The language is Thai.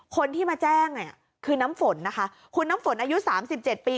คนที่มาแจ้งคือน้ำฝนนะคะคุณน้ำฝนอายุ๓๗ปี